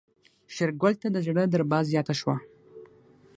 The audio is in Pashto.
شېرګل ته د زړه دربا زياته شوه.